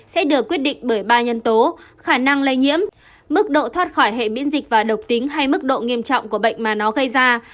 sẽ được quyết định bởi ba nhân tố khả năng lây nhiễm mức độ thoát khỏi hệ biễn dịch và độc tính hay mức độ nghiêm trọng của bệnh mà nó gây ra